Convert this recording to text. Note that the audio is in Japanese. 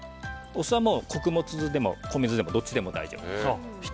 お酢は穀物酢でも米酢でもどっちでも大丈夫です。